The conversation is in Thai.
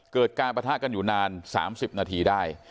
เกิดการประทะกันอยู่นาน๓๐นาทีได้